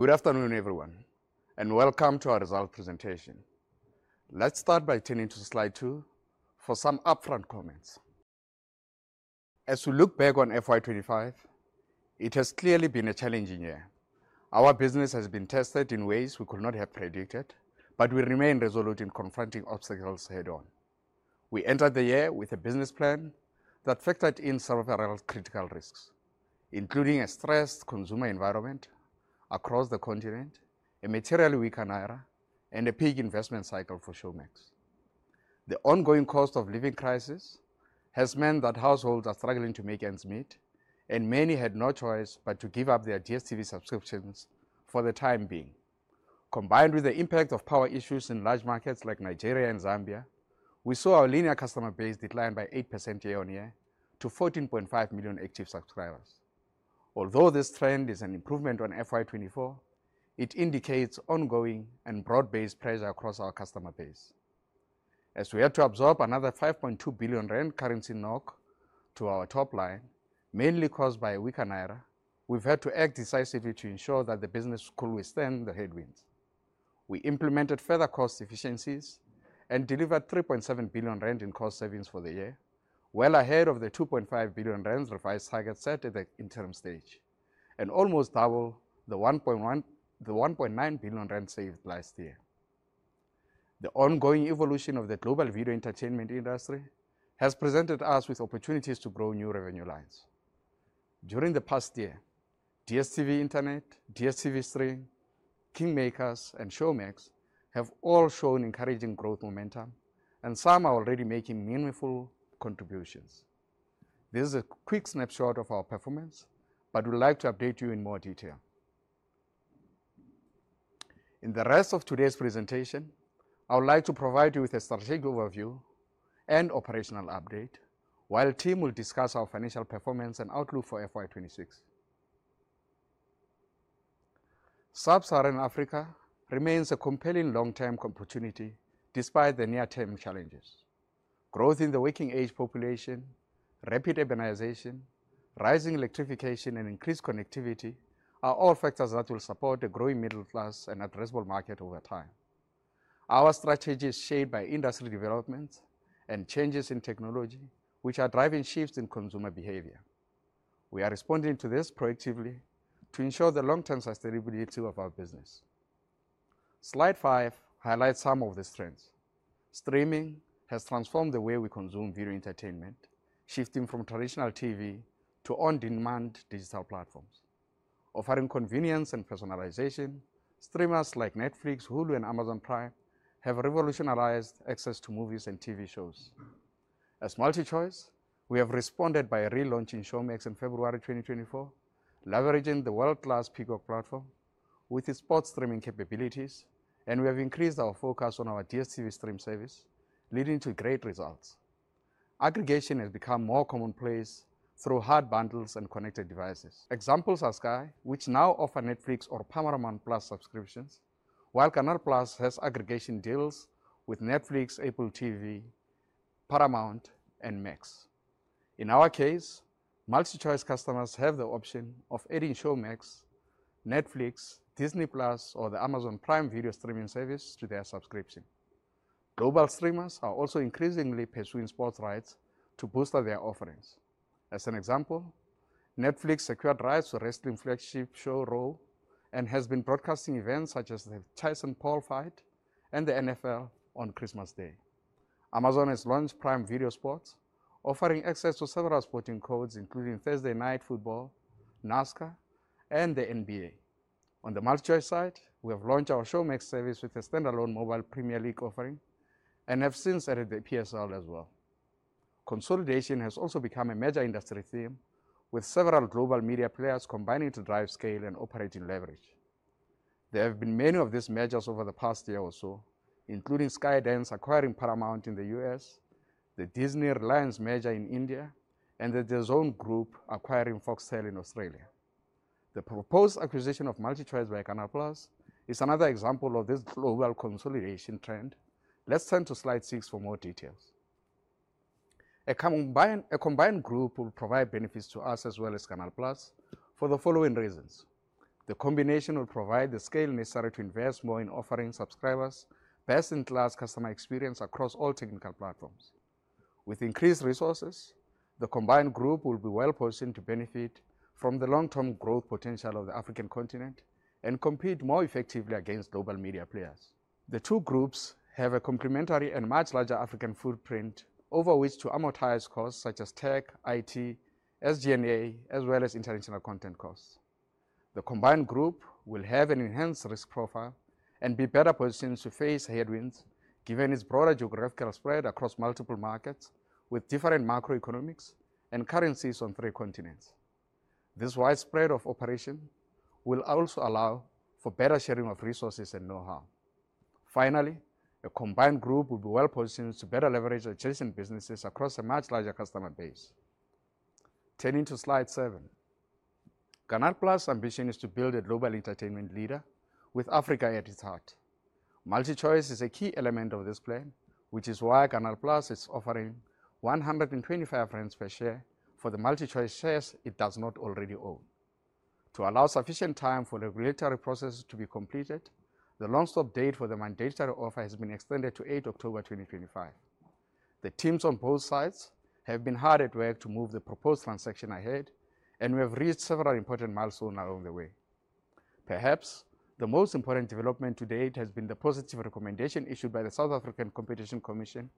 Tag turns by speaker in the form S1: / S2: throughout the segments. S1: Good afternoon, everyone, and welcome to our result presentation. Let's start by turning to slide two for some upfront comments. As we look back on FY2025, it has clearly been a challenging year. Our business has been tested in ways we could not have predicted, but we remain resolute in confronting obstacles head-on. We entered the year with a business plan that factored in several critical risks, including a stressed consumer environment across the continent, a materially weakened Naira, and a peak investment cycle for Showmax. The ongoing cost of living crisis has meant that households are struggling to make ends meet, and many had no choice but to give up their DStv subscriptions for the time being. Combined with the impact of power issues in large markets like Nigeria and Zambia, we saw our linear customer base decline by 8% year-o- year to 14.5 million active subscribers. Although this trend is an improvement on FY2024, it indicates ongoing and broad-based pressure across our customer base. As we had to absorb another 5.2 billion rand currency knock to our top line, mainly caused by a weakened Naira, we've had to act decisively to ensure that the business could withstand the headwinds. We implemented further cost efficiencies and delivered 3.7 billion rand in cost savings for the year, well ahead of the 2.5 billion rand revised target set at the interim stage, and almost double the 1.9 billion rand saved last year. The ongoing evolution of the global video entertainment industry has presented us with opportunities to grow new revenue lines. During the past year, DStv Internet, DStv Stream, KingMakers, and Showmax have all shown encouraging growth momentum, and some are already making meaningful contributions. This is a quick snapshot of our performance, but we'd like to update you in more detail. In the rest of today's presentation, I would like to provide you with a strategic overview and operational update, while Tim will discuss our financial performance and outlook for FY2026. Sub-Saharan Africa remains a compelling long-term opportunity despite the near-term challenges. Growth in the working-age population, rapid urbanization, rising electrification, and increased connectivity are all factors that will support a growing middle-class and addressable market over time. Our strategy is shaped by industry developments and changes in technology, which are driving shifts in consumer behavior. We are responding to this proactively to ensure the long-term sustainability of our business. Slide five highlights some of the strengths. Streaming has transformed the way we consume video entertainment, shifting from traditional TV to on-demand digital platforms. Offering convenience and personalization, streamers like Netflix, Hulu, and Amazon Prime have revolutionized access to movies and TV shows. As MultiChoice, we have responded by relaunching Showmax in February 2024, leveraging the world-class Peacock platform with its sports streaming capabilities, and we have increased our focus on our DStv Stream service, leading to great results. Aggregation has become more commonplace through hard bundles and connected devices. Examples are Sky, which now offers Netflix or Paramount+ subscriptions, while CANAL+ has aggregation deals with Netflix, Apple TV, Paramount+, and Max. In our case, MultiChoice customers have the option of adding Showmax, Netflix, Disney+, or the Amazon Prime Video streaming service to their subscription. Global streamers are also increasingly pursuing sports rights to boost their offerings. As an example, Netflix secured rights to wrestling flagship show Raw and has been broadcasting events such as the Tyson-Paul fight and the NFL on Christmas Day. Amazon has launched Prime Video Sports, offering access to several sporting codes, including Thursday Night Football, NASCAR, and the NBA. On the MultiChoice side, we have launched our Showmax service with a standalone mobile Premier League offering and have since added the PSL as well. Consolidation has also become a major industry theme, with several global media players combining to drive scale and operating leverage. There have been many of these measures over the past year or so, including Skydance acquiring Paramount in the United States, the Disney Reliance merger in India, and the DAZN Group acquiring Foxtel in Australia. The proposed acquisition of MultiChoice by CANAL+ is another example of this global consolidation trend. Let's turn to slide six for more details. A combined group will provide benefits to us as well as CANAL+ for the following reasons. The combination will provide the scale necessary to invest more in offering subscribers best-in-class customer experience across all technical platforms. With increased resources, the combined group will be well-positioned to benefit from the long-term growth potential of the African continent and compete more effectively against global media players. The two groups have a complementary and much larger African footprint over which to amortize costs such as tech, IT, SG&A, as well as international content costs. The combined group will have an enhanced risk profile and be better positioned to face headwinds given its broader geographical spread across multiple markets with different macroeconomics and currencies on three continents. This widespread operation will also allow for better sharing of resources and know-how. Finally, a combined group will be well-positioned to better leverage adjacent businesses across a much larger customer base. Turning to slide seven, CANAL+'s ambition is to build a global entertainment leader with Africa at its heart. MultiChoice is a key element of this plan, which is why CANAL+ is offering 125 rand per share for the MultiChoice shares it does not already own. To allow sufficient time for the regulatory process to be completed, the launch date for the mandatory offer has been extended to 8 October 2025. The teams on both sides have been hard at work to move the proposed transaction ahead, and we have reached several important milestones along the way. Perhaps the most important development to date has been the positive recommendation issued by the South African Competition Commission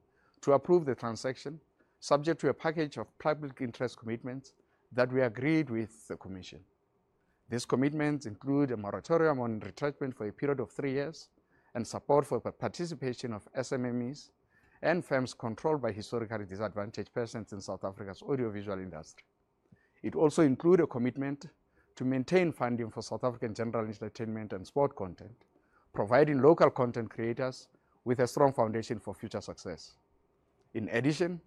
S1: to approve the transaction, subject to a package of public interest commitments that we agreed with the Commission. These commitments include a moratorium on retirement for a period of three years and support for the participation of SMMEs and firms controlled by historically disadvantaged persons in South Africa's audiovisual industry. It also includes a commitment to maintain funding for South African general entertainment and sport content, providing local content creators with a strong foundation for future success. In addition,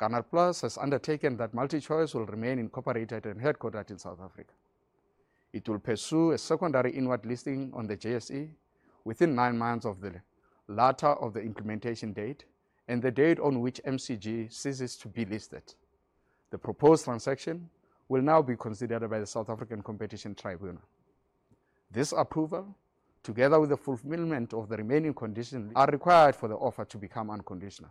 S1: CANAL+ has undertaken that MultiChoice will remain incorporated and headquartered in South Africa. It will pursue a secondary inward listing on the GSE within nine months of the latter of the implementation date and the date on which MCG ceases to be listed. The proposed transaction will now be considered by the South African Competition Tribunal. This approval, together with the fulfillment of the remaining conditions, is required for the offer to become unconditional.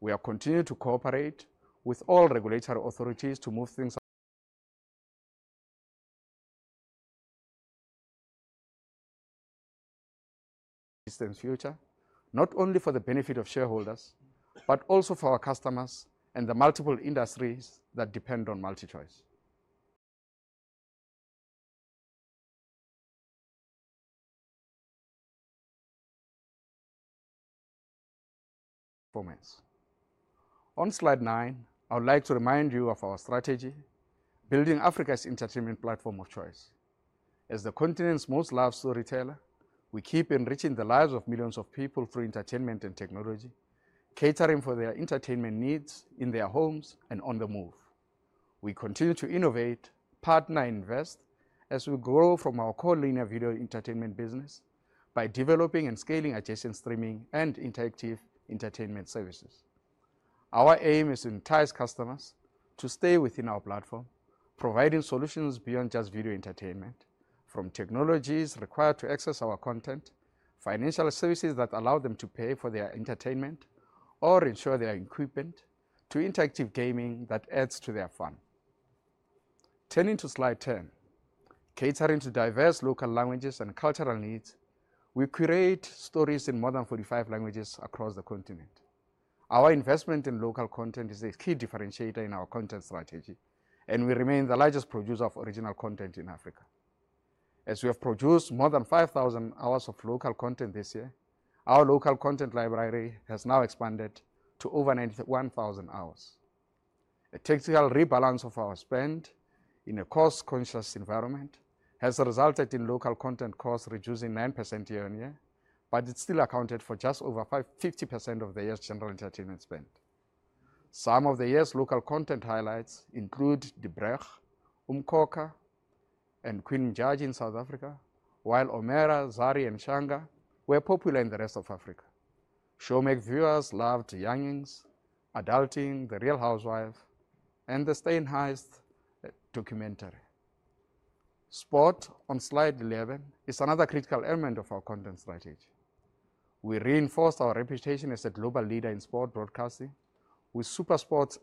S1: We are continuing to cooperate with all regulatory authorities to move things in the distant future, not only for the benefit of shareholders, but also for our customers and the multiple industries that depend on MultiChoice. Performance. On slide nine, I would like to remind you of our strategy, building Africa's entertainment platform of choice. As the continent's most loved storyteller, we keep enriching the lives of millions of people through entertainment and technology, catering for their entertainment needs in their homes and on the move. We continue to innovate, partner, and invest as we grow from our core linear video entertainment business by developing and scaling adjacent streaming and interactive entertainment services. Our aim is to entice customers to stay within our platform, providing solutions beyond just video entertainment, from technologies required to access our content, financial services that allow them to pay for their entertainment, or ensure their equipment, to interactive gaming that adds to their fun. Turning to slide 10, catering to diverse local languages and cultural needs, we create stories in more than 45 languages across the continent. Our investment in local content is a key differentiator in our content strategy, and we remain the largest producer of original content in Africa. As we have produced more than 5,000 hours of local content this year, our local content library has now expanded to over 91,000 hours. A technical rebalance of our spend in a cost-conscious environment has resulted in local content costs reducing 9% year-on-year, but it still accounted for just over 50% of the year's general entertainment spend. Some of the year's local content highlights include Die Brug, Umkhokha, and Queen Mojadji in South Africa, while Omera, Zari, and Shanga were popular in the rest of Africa. Showmax viewers loved Youngins, Adulting, The Real Housewives, and The Staying Highest documentary. Sport on slide 11 is another critical element of our content strategy. We reinforced our reputation as a global leader in sport broadcasting with SuperSport's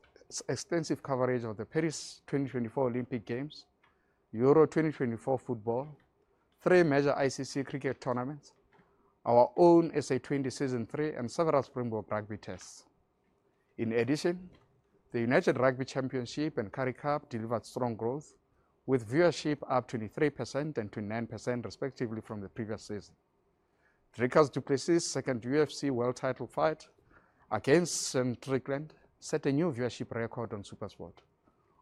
S1: extensive coverage of the Paris 2024 Olympic Games, EURO 2024 football, three major ICC cricket tournaments, our own SA 20 Season 3, and several Springbok Rugby tests. In addition, the United Rugby Championship and Currie Cup delivered strong growth, with viewership up 23% and 29% respectively from the previous season. Dricus du Plessis' second UFC world title fight against Strickland set a new viewership record on SuperSport.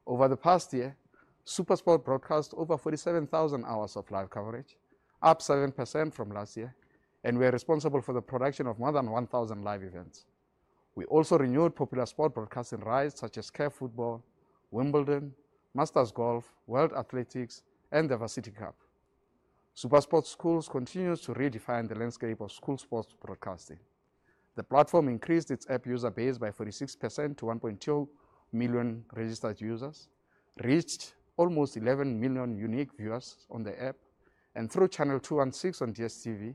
S1: Over the past year, SuperSport broadcast over 47,000 hours of live coverage, up 7% from last year, and we are responsible for the production of more than 1,000 live events. We also renewed popular sport broadcasting rights such as CAF Football, Wimbledon, Masters Golf, World Athletics, and the Varsity Cup. SuperSport Schools continues to redefine the landscape of school sports broadcasting. The platform increased its app user base by 46% to 1.2 million registered users, reached almost 11 million unique viewers on the app, and through Channel 2 and 6 on DStv,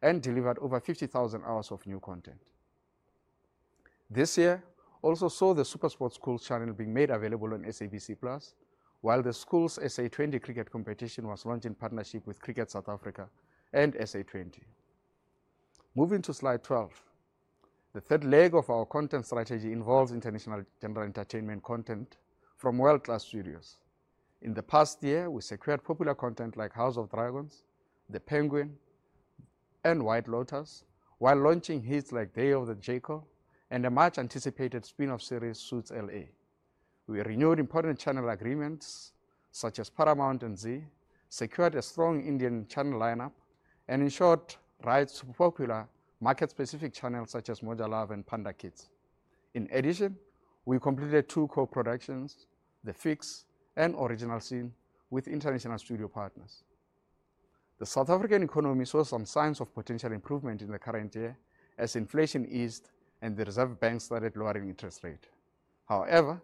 S1: and delivered over 50,000 hours of new content. This year also saw the SuperSport Schools channel being made available on SABC+, while the school's SA20 cricket competition was launched in partnership with Cricket South Africa and SA20. Moving to slide 12, the third leg of our content strategy involves international general entertainment content from world-class studios. In the past year, we secured popular content like House of the Dragon, The Penguin, and White Lotus, while launching hits like Day of the Jackal and the much-anticipated spin-off series Suits: LA. We renewed important channel agreements such as Paramount and Zee, secured a strong Indian channel lineup, and ensured rights to popular market-specific channels such as Moja Love and Panda Kids. In addition, we completed two co-productions, The Fix and Original Sin, with international studio partners. The South African economy saw some signs of potential improvement in the current year as inflation eased and the Reserve Bank started lowering interest rates. However,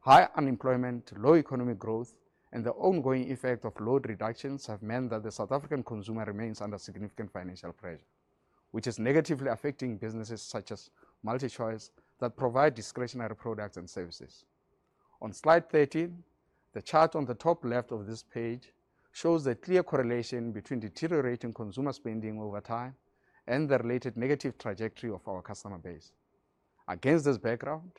S1: high unemployment, low economic growth, and the ongoing effect of load reductions have meant that the South African consumer remains under significant financial pressure, which is negatively affecting businesses such as MultiChoice that provide discretionary products and services. On slide 13, the chart on the top left of this page shows the clear correlation between deteriorating consumer spending over time and the related negative trajectory of our customer base. Against this background,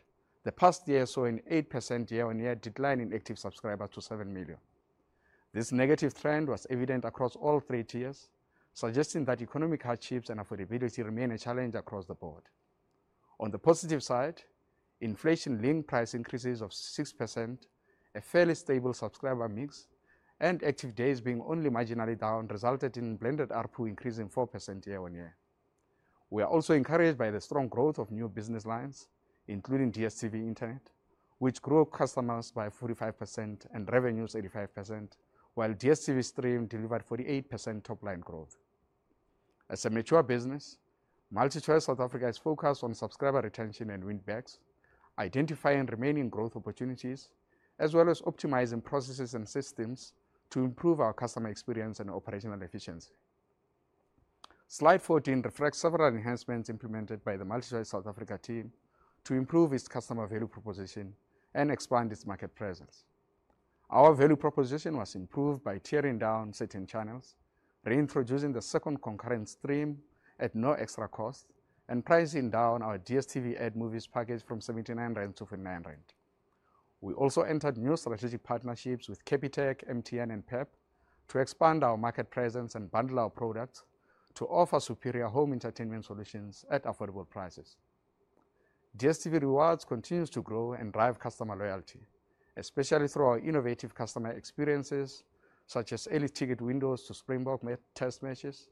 S1: the past year saw an 8% year-on-year decline in active subscribers to 7 million. This negative trend was evident across all three tiers, suggesting that economic hardships and affordability remain a challenge across the board. On the positive side, inflation-linked price increases of 6%, a fairly stable subscriber mix, and active days being only marginally down resulted in blended output increasing 4% year-on-year. We are also encouraged by the strong growth of new business lines, including DStv Internet, which grew customers by 45% and revenues 85%, while DStv Stream delivered 48% top-line growth. As a mature business, MultiChoice South Africa is focused on subscriber retention and win-backs, identifying remaining growth opportunities, as well as optimizing processes and systems to improve our customer experience and operational efficiency. Slide 14 reflects several enhancements implemented by the MultiChoice South Africa team to improve its customer value proposition and expand its market presence. Our value proposition was improved by tearing down certain channels, reintroducing the second concurrent stream at no extra cost, and pricing down our DStv Add Movies package from 79 to 49. We also entered new strategic partnerships with Capitec, MTN, and PEP to expand our market presence and bundle our products to offer superior home entertainment solutions at affordable prices. DStv Rewards continues to grow and drive customer loyalty, especially through our innovative customer experiences such as early ticket windows to Springbok test matches,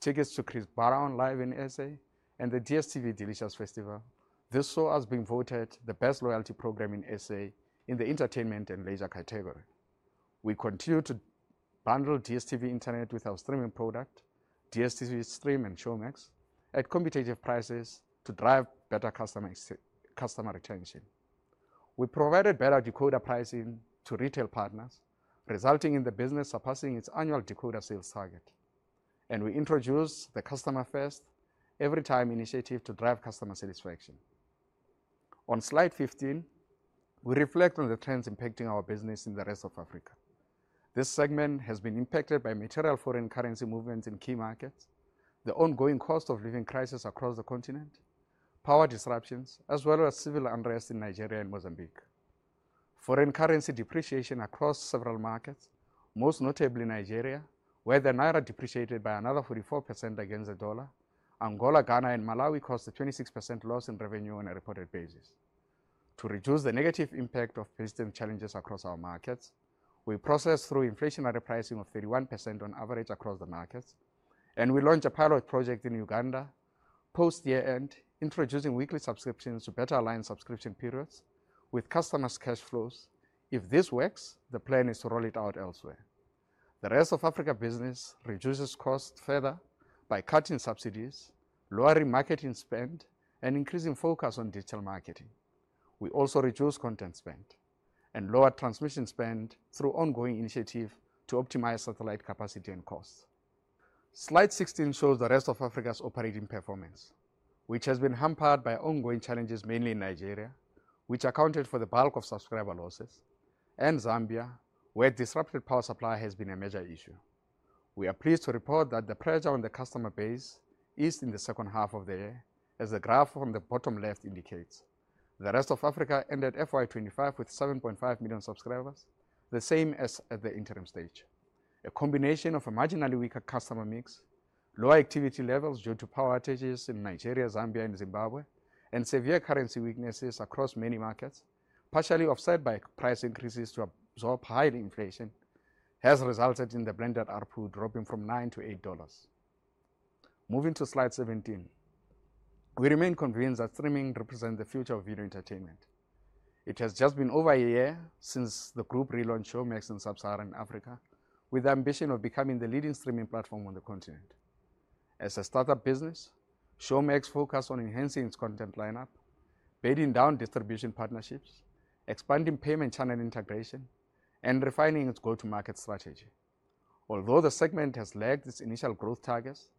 S1: tickets to Chris Baron live in South Africa, and the DStv Delicious Festival. This show has been voted the best loyalty program in South Africa in the entertainment and leisure category. We continue to bundle DStv Internet with our streaming product, DStv Stream and Showmax, at competitive prices to drive better customer retention. We provided better decoder pricing to retail partners, resulting in the business surpassing its annual decoder sales target. We introduced the Customer First. Every Time initiative to drive customer satisfaction. On slide 15, we reflect on the trends impacting our business in the rest of Africa. This segment has been impacted by material foreign currency movements in key markets, the ongoing cost of living crisis across the continent, power disruptions, as well as civil unrest in Nigeria and Mozambique. Foreign currency depreciation across several markets, most notably Nigeria, where the Naira depreciated by another 44% against the dollar, Angola, Ghana, and Malawi caused a 26% loss in revenue on a reported basis. To reduce the negative impact of system challenges across our markets, we processed through inflationary pricing of 31% on average across the markets, and we launched a pilot project in Uganda post-year-end, introducing weekly subscriptions to better align subscription periods with customers' cash flows. If this works, the plan is to roll it out elsewhere. The rest of Africa business reduces costs further by cutting subsidies, lowering marketing spend, and increasing focus on digital marketing. We also reduce content spend and lower transmission spend through ongoing initiatives to optimize satellite capacity and costs. Slide 16 shows the rest of Africa's operating performance, which has been hampered by ongoing challenges mainly in Nigeria, which accounted for the bulk of subscriber losses, and Zambia, where disrupted power supply has been a major issue. We are pleased to report that the pressure on the customer base is in the second half of the year, as the graph on the bottom left indicates. The rest of Africa ended FY2025 with 7.5 million subscribers, the same as at the interim stage. A combination of a marginally weaker customer mix, lower activity levels due to power outages in Nigeria, Zambia, and Zimbabwe, and severe currency weaknesses across many markets, partially offset by price increases to absorb higher inflation, has resulted in the blended output dropping from $9 to $8. Moving to slide 17, we remain convinced that streaming represents the future of video entertainment. It has just been over a year since the group relaunched Showmax in Sub-Saharan Africa, with the ambition of becoming the leading streaming platform on the continent. As a startup business, Showmax focused on enhancing its content lineup, building down distribution partnerships, expanding payment channel integration, and refining its go-to-market strategy. Although the segment has lagged its initial growth targets,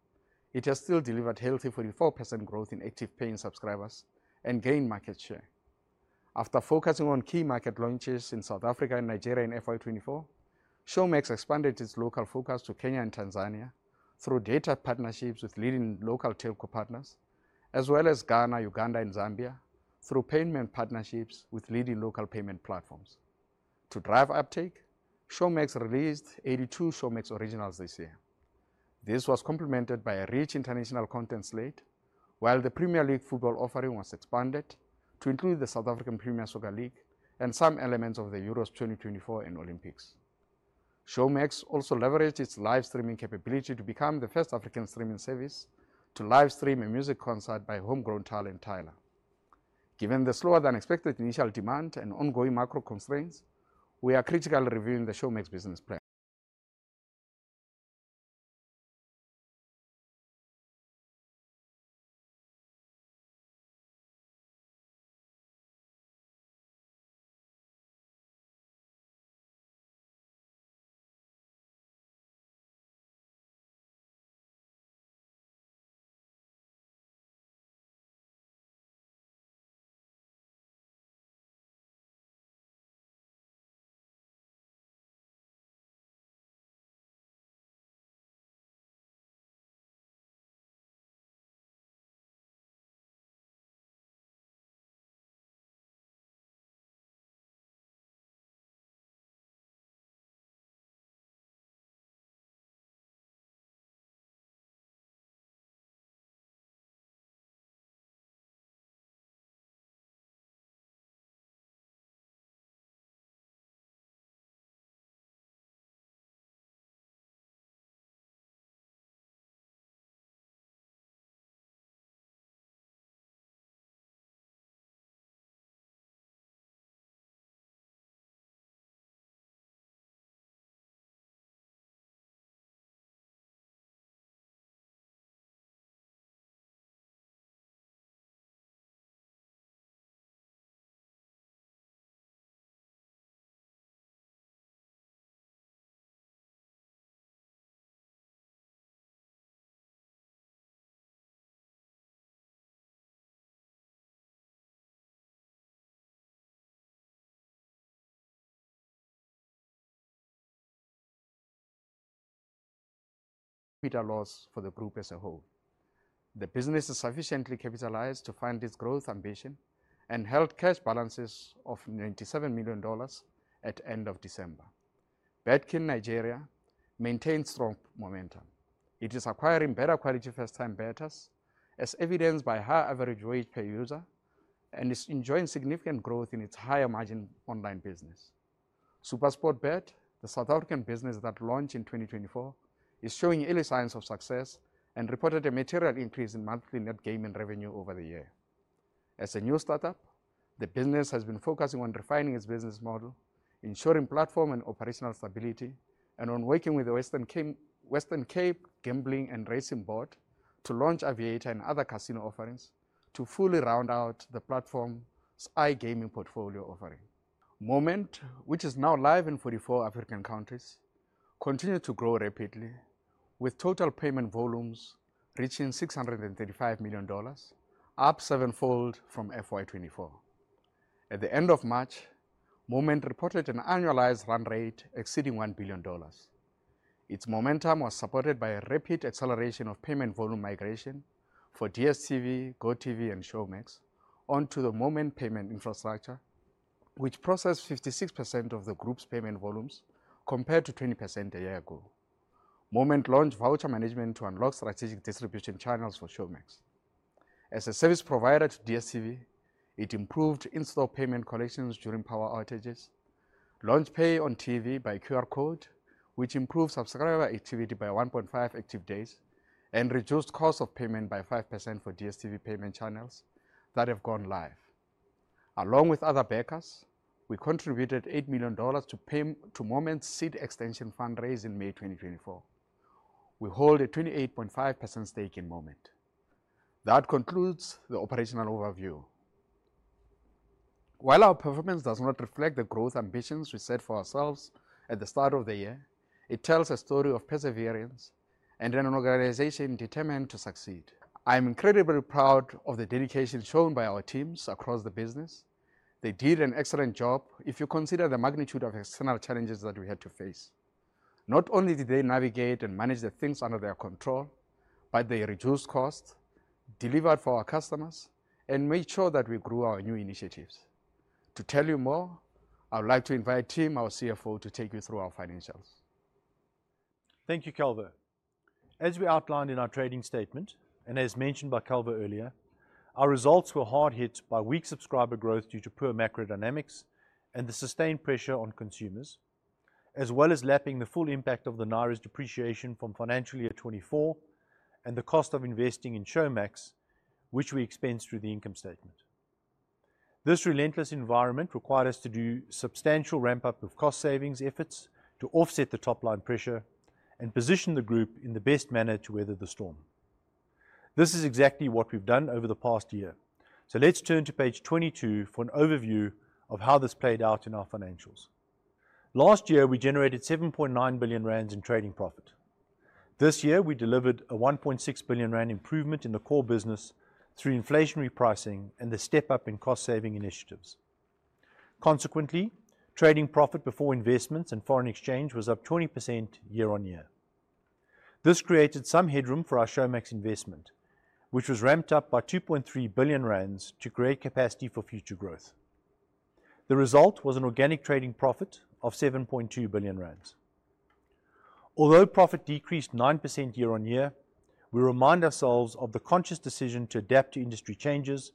S1: it has still delivered healthy 44% growth in active paying subscribers and gained market share. After focusing on key market launches in South Africa and Nigeria in FY2024, Showmax expanded its local focus to Kenya and Tanzania through data partnerships with leading local telco partners, as well as Ghana, Uganda, and Zambia through payment partnerships with leading local payment platforms. To drive uptake, Showmax released 82 Showmax Originals this year. This was complemented by a rich international content slate, while the Premier League football offering was expanded to include the South African Premier Soccer League and some elements of the Euros 2024 and Olympics. Showmax also leveraged its live streaming capability to become the first African streaming service to live stream a music concert by homegrown talent Thailand. Given the slower-than-expected initial demand and ongoing macro constraints, we are critically reviewing the Showmax business plan. Capital loss for the group as a whole. The business is sufficiently capitalized to fund its growth ambition and held cash balances of $97 million at the end of December. BetKing Nigeria maintains strong momentum. It is acquiring better quality first-time bettors, as evidenced by high average rate per user, and is enjoying significant growth in its high-margin online business. SuperSportBet, the South African business that launched in 2024, is showing early signs of success and reported a material increase in monthly net gaming revenue over the year. As a new startup, the business has been focusing on refining its business model, ensuring platform and operational stability, and on working with the Western Cape Gambling and Racing Board to launch Aviator and other casino offerings to fully round out the platform's iGaming portfolio offering. Moment, which is now live in 44 African countries, continued to grow rapidly, with total payment volumes reaching $635 million, up seven-fold from FY 2024. At the end of March, Moment reported an annualized run rate exceeding $1 billion. Its momentum was supported by a rapid acceleration of payment volume migration for DStv, GoTV, and Showmax onto the Moment payment infrastructure, which processed 56% of the group's payment volumes compared to 20% a year ago. Moment launched voucher management to unlock strategic distribution channels for Showmax. As a service provider to DStv, it improved in-store payment collections during power outages, launched pay on TV by QR code, which improved subscriber activity by 1.5 active days, and reduced cost of payment by 5% for DStv payment channels that have gone live. Along with other backers, we contributed $8 million to Moment's Seed Extension fundraising in May 2024. We hold a 28.5% stake in Moment. That concludes the operational overview. While our performance does not reflect the growth ambitions we set for ourselves at the start of the year, it tells a story of perseverance and an organization determined to succeed. I'm incredibly proud of the dedication shown by our teams across the business. They did an excellent job if you consider the magnitude of external challenges that we had to face. Not only did they navigate and manage the things under their control, but they reduced costs, delivered for our customers, and made sure that we grew our new initiatives. To tell you more, I would like to invite Tim, our CFO, to take you through our financials.
S2: Thank you, Calvo. As we outlined in our trading statement, and as mentioned by Calvo earlier, our results were hard hit by weak subscriber growth due to poor macro dynamics and the sustained pressure on consumers, as well as lapping the full impact of the naira's depreciation from financial year 2024 and the cost of investing in Showmax, which we expense through the income statement. This relentless environment required us to do substantial ramp-up of cost savings efforts to offset the top-line pressure and position the group in the best manner to weather the storm. This is exactly what we've done over the past year. Let's turn to page 22 for an overview of how this played out in our financials. Last year, we generated 7.9 billion rand in trading profit. This year, we delivered a 1.6 billion rand improvement in the core business through inflationary pricing and the step-up in cost saving initiatives. Consequently, trading profit before investments and foreign exchange was up 20% year-on-year. This created some headroom for our Showmax investment, which was ramped up by 2.3 billion rand to create capacity for future growth. The result was an organic trading profit of 7.2 billion rand. Although profit decreased 9% year-on-year, we remind ourselves of the conscious decision to adapt to industry changes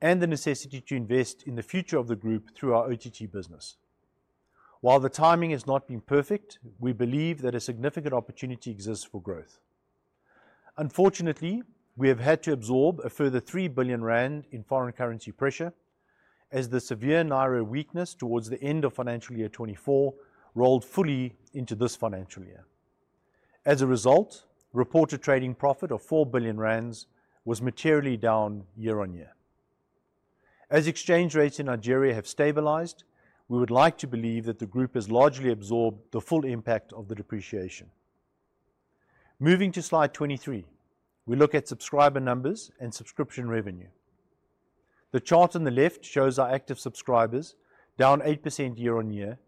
S2: and the necessity to invest in the future of the group through our OTT business. While the timing has not been perfect, we believe that a significant opportunity exists for growth. Unfortunately, we have had to absorb a further 3 billion rand in foreign currency pressure as the severe naira weakness towards the end of financial year 2024 rolled fully into this financial year. As a result, reported trading profit of 4 billion rand was materially down year-on-year. As exchange rates in Nigeria have stabilized, we would like to believe that the group has largely absorbed the full impact of the depreciation. Moving to slide 23, we look at subscriber numbers and subscription revenue. The chart on the left shows our active subscribers down 8% year-on-year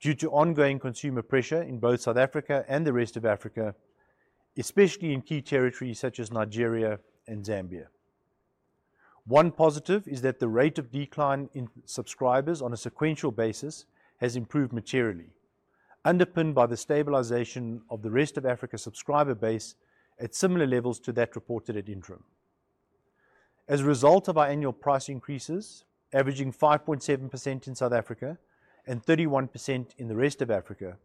S2: due to ongoing consumer pressure in both South Africa and the rest of Africa, especially in key territories such as Nigeria and Zambia. One positive is that the rate of decline in subscribers on a sequential basis has improved materially, underpinned by the stabilization of the rest of Africa's subscriber base at similar levels to that reported at interim. As a result of our annual price increases, averaging 5.7% in South Africa and 31% in the rest of Africa,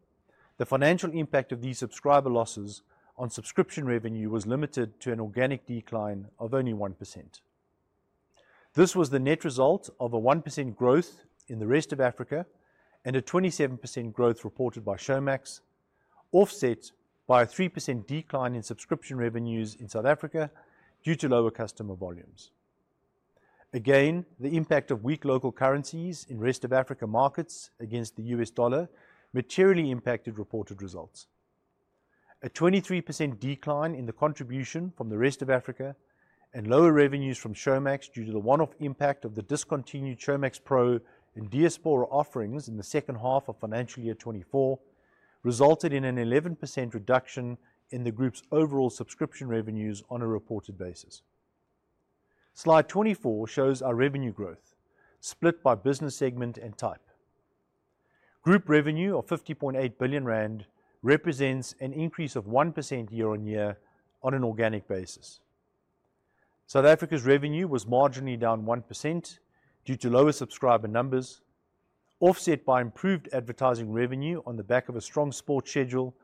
S2: the financial impact of these subscriber losses on subscription revenue was limited to an organic decline of only 1%. This was the net result of a 1% growth in the rest of Africa and a 27% growth reported by Showmax, offset by a 3% decline in subscription revenues in South Africa due to lower customer volumes. Again, the impact of weak local currencies in rest-of-Africa markets against the US dollar materially impacted reported results. A 23% decline in the contribution from the rest of Africa and lower revenues from Showmax due to the one-off impact of the discontinued Showmax Pro and Diaspora offerings in the second half of financial year 2024 resulted in an 11% reduction in the group's overall subscription revenues on a reported basis. Slide 24 shows our revenue growth, split by business segment and type. Group revenue of 50.8 billion rand represents an increase of 1% year-on-year on an organic basis. South Africa's revenue was marginally down 1% due to lower subscriber numbers, offset by improved advertising revenue on the back of a strong sports schedule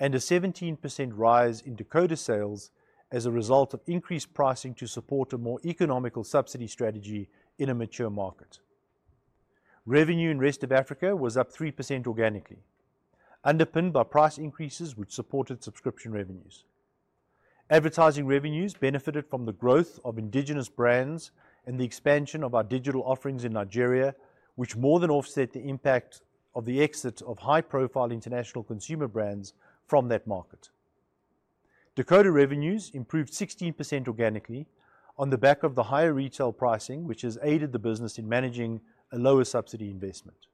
S2: and a 17% rise in decoder sales as a result of increased pricing to support a more economical subsidy strategy in a mature market. Revenue in rest of Africa was up 3% organically, underpinned by price increases which supported subscription revenues. Advertising revenues benefited from the growth of indigenous brands and the expansion of our digital offerings in Nigeria, which more than offset the impact of the exit of high-profile international consumer brands from that market. The quota revenues improved 16% organically on the back of the higher retail pricing, which has aided the business in managing a lower subsidy investment.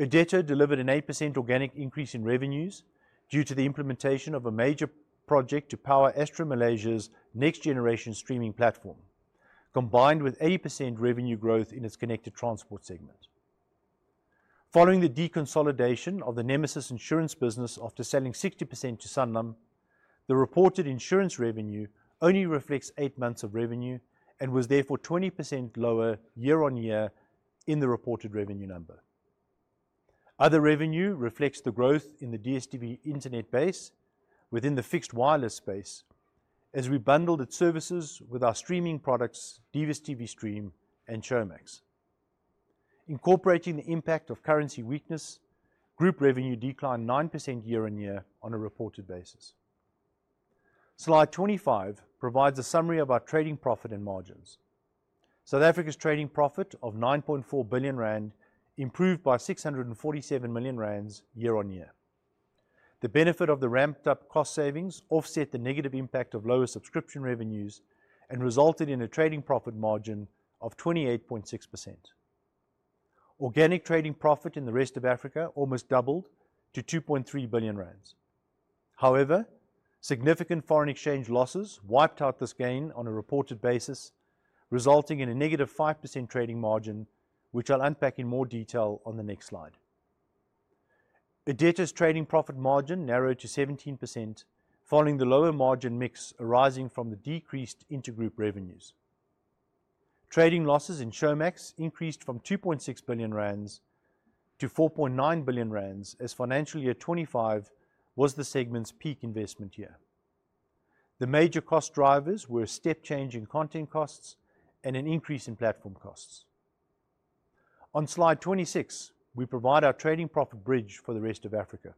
S2: Irdeto delivered an 8% organic increase in revenues due to the implementation of a major project to power Astro Malaysia's next-generation streaming platform, combined with 80% revenue growth in its connected transport segment. Following the deconsolidation of the Nemesis Insurance business after selling 60% to SanLam, the reported insurance revenue only reflects eight months of revenue and was therefore 20% lower year-on-year in the reported revenue number. Other revenue reflects the growth in the DStv Internet base within the fixed wireless space as we bundled its services with our streaming products, DStv Stream and Showmax. Incorporating the impact of currency weakness, group revenue declined 9% year-on-year on a reported basis. Slide 25 provides a summary of our trading profit and margins. South Africa's trading profit of 9.4 billion rand improved by 647 million rand year-on-year. The benefit of the ramped-up cost savings offset the negative impact of lower subscription revenues and resulted in a trading profit margin of 28.6%. Organic trading profit in the rest of Africa almost doubled to 2.3 billion rand. However, significant foreign exchange losses wiped out this gain on a reported basis, resulting in a negative 5% trading margin, which I'll unpack in more detail on the next slide. Irdeto's trading profit margin narrowed to 17% following the lower margin mix arising from the decreased intergroup revenues. Trading losses in Showmax increased from 2.6 billion-4.9 billion rand as financial year 2025 was the segment's peak investment year. The major cost drivers were step-changing content costs and an increase in platform costs. On slide 26, we provide our trading profit bridge for the rest of Africa.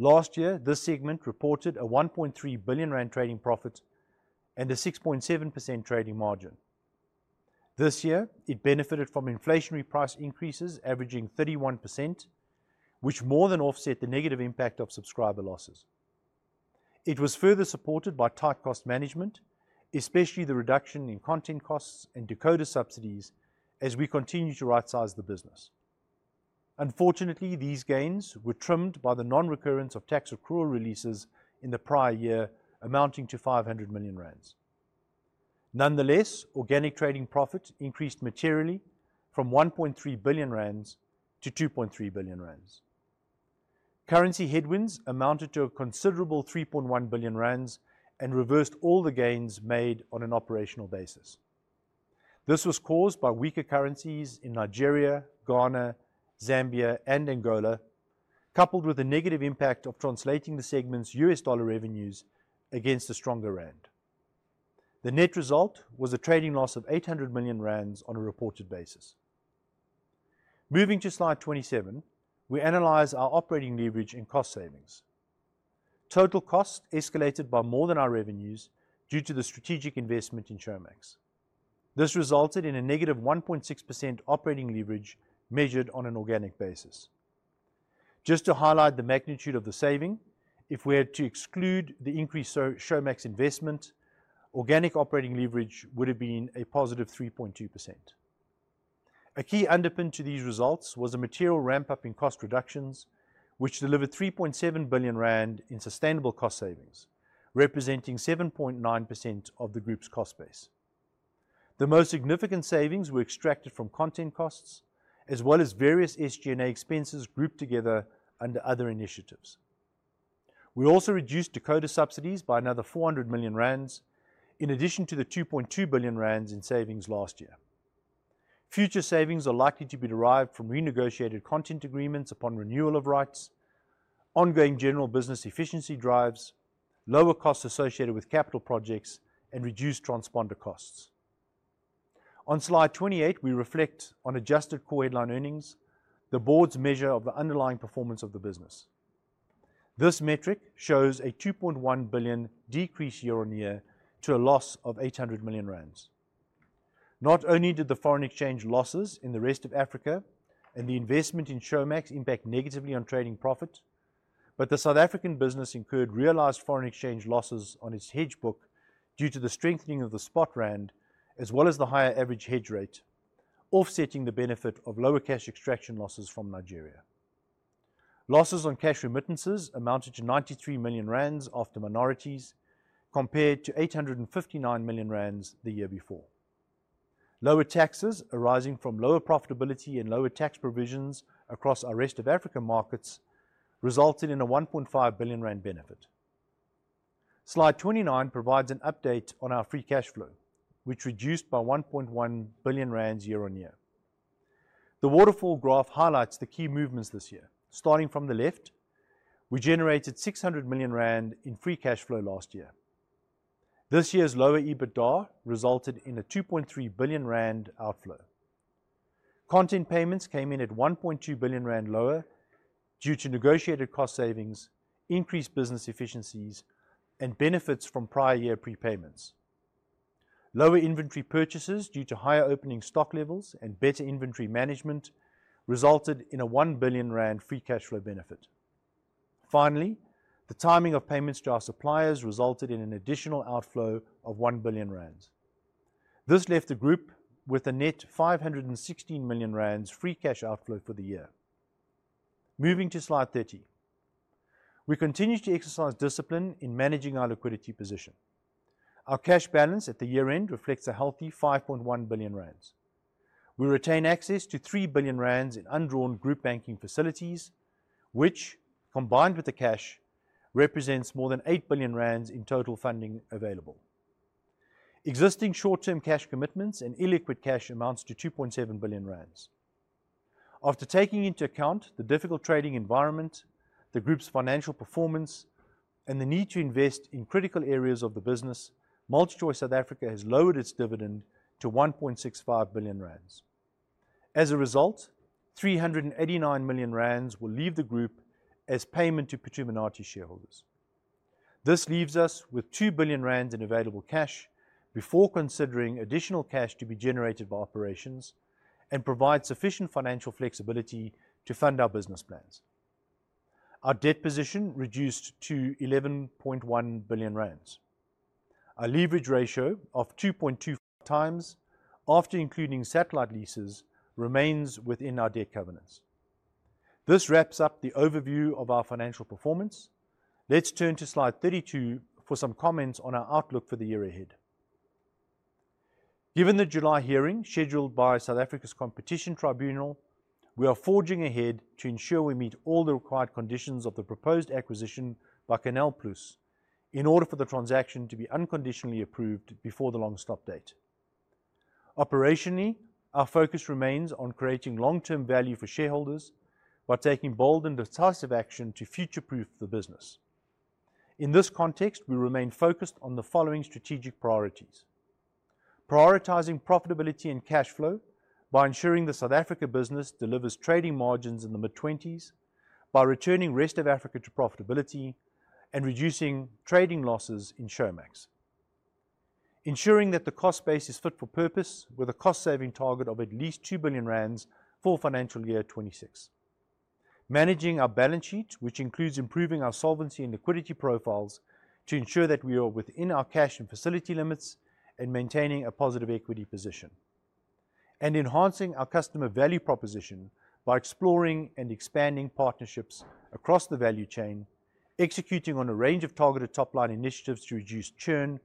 S2: Last year, this segment reported a 1.3 billion rand trading profit and a 6.7% trading margin. This year, it benefited from inflationary price increases averaging 31%, which more than offset the negative impact of subscriber losses. It was further supported by tight cost management, especially the reduction in content costs and decoder subsidies as we continue to right-size the business. Unfortunately, these gains were trimmed by the non-recurrence of tax accrual releases in the prior year, amounting to 500 million rand. Nonetheless, organic trading profit increased materially from 1.3 billion-2.3 billion rand. Currency headwinds amounted to a considerable 3.1 billion rand and reversed all the gains made on an operational basis. This was caused by weaker currencies in Nigeria, Ghana, Zambia, and Angola, coupled with the negative impact of translating the segment's US dollar revenues against a stronger rand. The net result was a trading loss of 800 million rand on a reported basis. Moving to slide 27, we analyze our operating leverage and cost savings. Total cost escalated by more than our revenues due to the strategic investment in Showmax. This resulted in a negative 1.6% operating leverage measured on an organic basis. Just to highlight the magnitude of the saving, if we had to exclude the increased Showmax investment, organic operating leverage would have been a positive 3.2%. A key underpin to these results was a material ramp-up in cost reductions, which delivered 3.7 billion rand in sustainable cost savings, representing 7.9% of the group's cost base. The most significant savings were extracted from content costs, as well as various SG&A expenses grouped together under other initiatives. We also reduced decoder subsidies by another 400 million rand, in addition to the 2.2 billion rand in savings last year. Future savings are likely to be derived from renegotiated content agreements upon renewal of rights, ongoing general business efficiency drives, lower costs associated with capital projects, and reduced transponder costs. On slide 28, we reflect on adjusted core headline earnings, the board's measure of the underlying performance of the business. This metric shows a 2.1 billion decrease year-on-year to a loss of 800 million rand. Not only did the foreign exchange losses in the rest of Africa and the investment in Showmax impact negatively on trading profit, but the South African business incurred realized foreign exchange losses on its hedge book due to the strengthening of the spot rand, as well as the higher average hedge rate, offsetting the benefit of lower cash extraction losses from Nigeria. Losses on cash remittances amounted to 93 million rand after minorities, compared to 859 million rand the year before. Lower taxes arising from lower profitability and lower tax provisions across our rest-of-Africa markets resulted in a 1.5 billion rand benefit. Slide 29 provides an update on our free cash flow, which reduced by 1.1 billion rand year-on-year. The waterfall graph highlights the key movements this year. Starting from the left, we generated 600 million rand in free cash flow last year. This year's lower EBITDA resulted in a 2.3 billion rand outflow. Content payments came in at 1.2 billion rand lower due to negotiated cost savings, increased business efficiencies, and benefits from prior year prepayments. Lower inventory purchases due to higher opening stock levels and better inventory management resulted in a 1 billion rand free cash flow benefit. Finally, the timing of payments to our suppliers resulted in an additional outflow of 1 billion rand. This left the group with a net 516 million rand free cash outflow for the year. Moving to slide 30, we continue to exercise discipline in managing our liquidity position. Our cash balance at the year-end reflects a healthy 5.1 billion rand. We retain access to 3 billion rand in undrawn group banking facilities, which, combined with the cash, represents more than 8 billion rand in total funding available. Existing short-term cash commitments and illiquid cash amounts to 2.7 billion rand. After taking into account the difficult trading environment, the group's financial performance, and the need to invest in critical areas of the business, MultiChoice South Africa has lowered its dividend to 1.65 billion rand. As a result, 389 million rand will leave the group as payment to Phuthuma Nathi shareholders. This leaves us with 2 billion rand in available cash before considering additional cash to be generated by operations and provides sufficient financial flexibility to fund our business plans. Our debt position reduced to 11.1 billion rand. Our leverage ratio of 2.25 times after including satellite leases remains within our debt covenants. This wraps up the overview of our financial performance. Let's turn to slide 32 for some comments on our outlook for the year ahead. Given the July hearing scheduled by South Africa's Competition Tribunal, we are forging ahead to ensure we meet all the required conditions of the proposed acquisition by CANAL+ in order for the transaction to be unconditionally approved before the long stop date. Operationally, our focus remains on creating long-term value for shareholders by taking bold and decisive action to future-proof the business. In this context, we remain focused on the following strategic priorities: prioritizing profitability and cash flow by ensuring the South Africa business delivers trading margins in the mid-20s, by returning rest-of-Africa to profitability, and reducing trading losses in Showmax. Ensuring that the cost base is fit for purpose with a cost-saving target of at least 2 billion rand for financial year 2026. Managing our balance sheet, which includes improving our solvency and liquidity profiles to ensure that we are within our cash and facility limits and maintaining a positive equity position. Enhancing our customer value proposition by exploring and expanding partnerships across the value chain, executing on a range of targeted top-line initiatives to reduce churn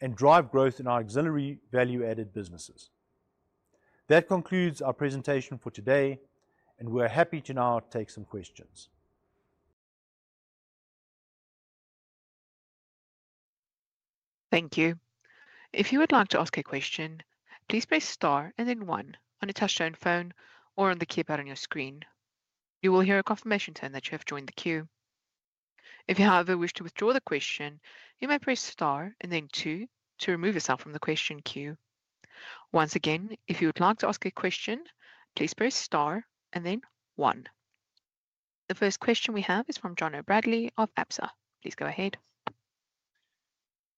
S2: and drive growth in our auxiliary value-added businesses. That concludes our presentation for today, and we're happy to now take some questions.
S3: Thank you. If you would like to ask a question, please press star and then one on your touchstone phone or on the keypad on your screen. You will hear a confirmation tone that you have joined the queue. If you, however, wish to withdraw the question, you may press star and then two to remove yourself from the question queue. Once again, if you would like to ask a question, please press star and then one. The first question we have is from John O'Bradley of APSA. Please go ahead.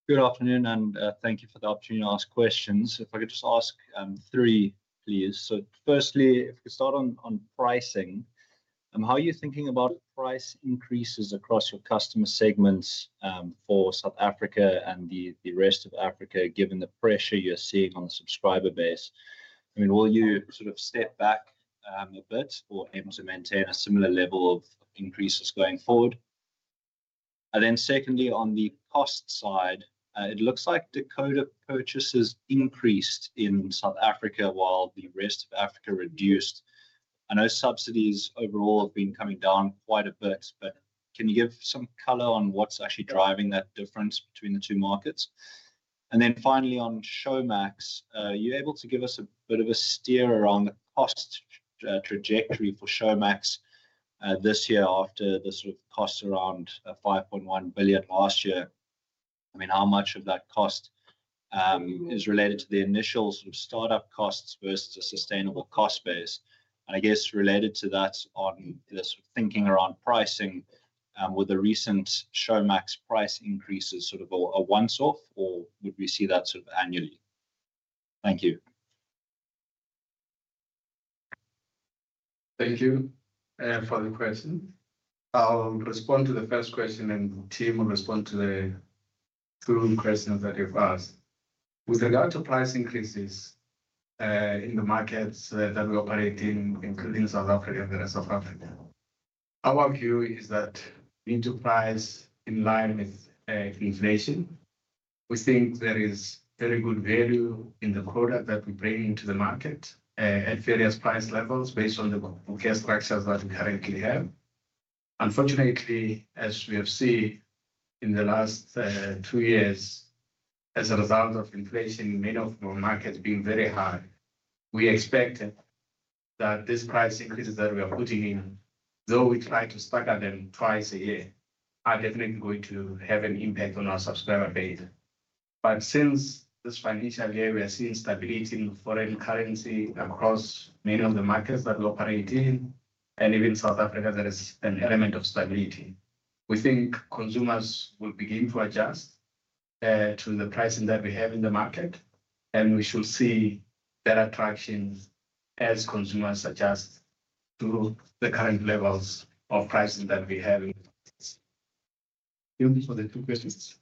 S4: Good afternoon, and thank you for the opportunity to ask questions. If I could just ask three, please. Firstly, if we could start on pricing, how are you thinking about price increases across your customer segments for South Africa and the rest of Africa, given the pressure you're seeing on the subscriber base? I mean, will you sort of step back a bit or aim to maintain a similar level of increases going forward? Secondly, on the cost side, it looks like decoder purchases increased in South Africa while the rest of Africa reduced. I know subsidies overall have been coming down quite a bit, but can you give some color on what's actually driving that difference between the two markets? Finally, on Showmax, are you able to give us a bit of a steer around the cost trajectory for Showmax this year after the sort of costs around 5.1 billion last year? I mean, how much of that cost is related to the initial sort of startup costs versus a sustainable cost base? I guess related to that, on this sort of thinking around pricing, were the recent Showmax price increases sort of a once-off, or would we see that sort of annually? Thank you.
S1: Thank you for the question. I'll respond to the first question, and the team will respond to the two questions that you've asked. With regard to price increases in the markets that we're operating in, including South Africa and the rest of Africa, our view is that to price in line with inflation, we think there is very good value in the product that we bring into the market at various price levels based on the case structures that we currently have. Unfortunately, as we have seen in the last two years, as a result of inflation, many of our markets being very high, we expect that these price increases that we are putting in, though we try to stagger them twice a year, are definitely going to have an impact on our subscriber base. Since this financial year, we are seeing stability in foreign currency across many of the markets that we operate in, and even South Africa, there is an element of stability. We think consumers will begin to adjust to the pricing that we have in the market, and we shall see better traction as consumers adjust to the current levels of pricing that we have in the markets. Thank you for the two questions.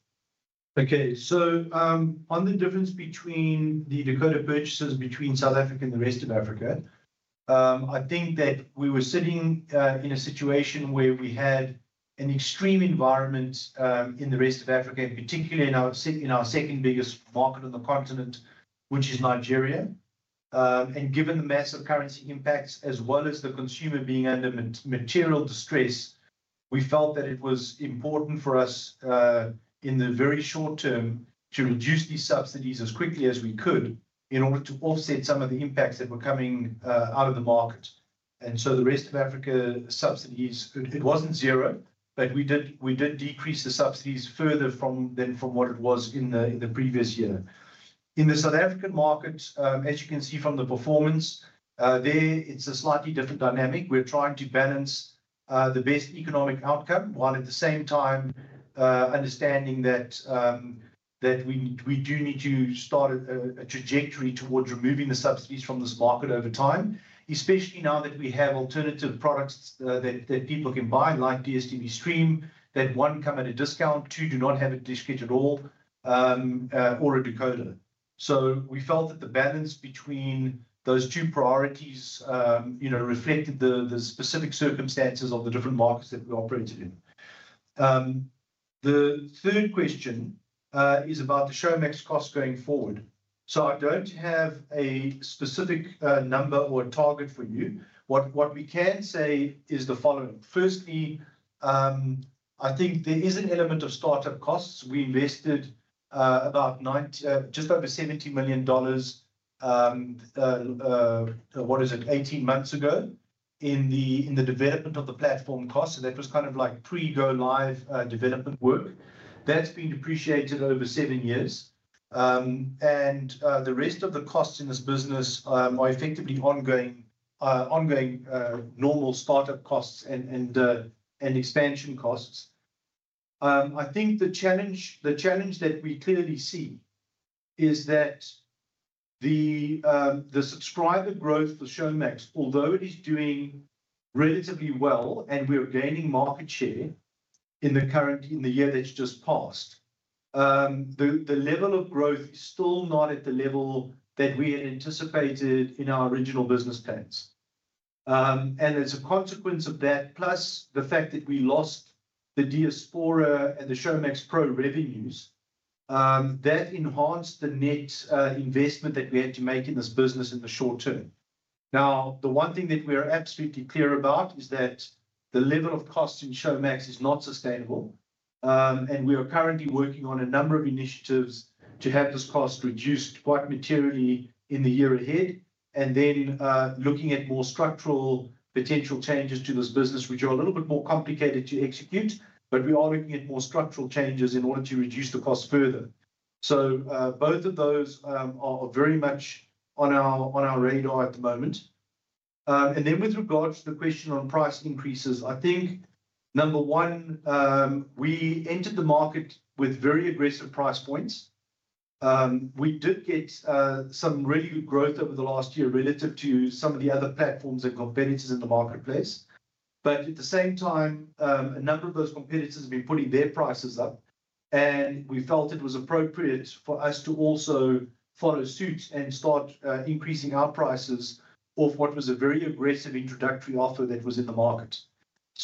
S2: Okay, on the difference between the decoder purchases between South Africa and the rest of Africa, I think that we were sitting in a situation where we had an extreme environment in the rest of Africa, particularly in our second biggest market on the continent, which is Nigeria. Given the massive currency impacts, as well as the consumer being under material distress, we felt that it was important for us in the very short term to reduce these subsidies as quickly as we could in order to offset some of the impacts that were coming out of the market. The rest of Africa subsidies, it was not zero, but we did decrease the subsidies further than from what it was in the previous year. In the South African market, as you can see from the performance, there it is a slightly different dynamic. We are trying to balance the best economic outcome while at the same time understanding that we do need to start a trajectory towards removing the subsidies from this market over time, especially now that we have alternative products that people can buy, like DStv Stream, that one, come at a discount, two, do not have a disc at all, or a decoder. We felt that the balance between those two priorities reflected the specific circumstances of the different markets that we operated in. The third question is about the Showmax cost going forward. I do not have a specific number or target for you. What we can say is the following. Firstly, I think there is an element of startup costs. We invested about just over $70 million, what is it, 18 months ago in the development of the platform costs. That was kind of like pre-go-live development work. That has been depreciated over seven years. The rest of the costs in this business are effectively ongoing normal startup costs and expansion costs. I think the challenge that we clearly see is that the subscriber growth for Showmax, although it is doing relatively well and we are gaining market share in the year that has just passed, the level of growth is still not at the level that we had anticipated in our original business plans. As a consequence of that, plus the fact that we lost the Diaspora and the Showmax Pro revenues, that enhanced the net investment that we had to make in this business in the short term. The one thing that we are absolutely clear about is that the level of cost in Showmax is not sustainable. We are currently working on a number of initiatives to have this cost reduced quite materially in the year ahead. We are looking at more structural potential changes to this business, which are a little bit more complicated to execute, but we are looking at more structural changes in order to reduce the cost further. Both of those are very much on our radar at the moment. With regards to the question on price increases, I think number one, we entered the market with very aggressive price points. We did get some really good growth over the last year relative to some of the other platforms and competitors in the marketplace. At the same time, a number of those competitors have been putting their prices up, and we felt it was appropriate for us to also follow suit and start increasing our prices off what was a very aggressive introductory offer that was in the market.